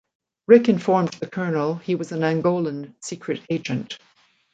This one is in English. Rick informed the Colonel he was an Angolan secret agent.